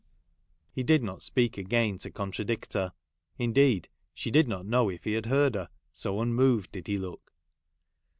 He did not speak again to contradict her ; indeed she did not know if he had heard her, so unmoved did he look.